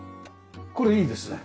これいいですね。